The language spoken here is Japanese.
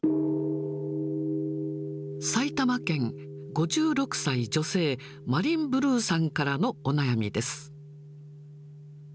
埼玉県５６歳女性、マリンブルーさんからのお悩みです。